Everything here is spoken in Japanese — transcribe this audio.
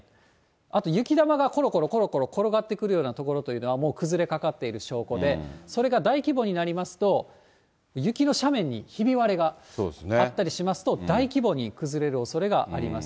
あと雪玉がころころころころ転がってくるような所というのは、もう崩れかかっている証拠で、それが大規模になりますと、雪の斜面にひび割れがあったりしますと、大規模に崩れるおそれがあります。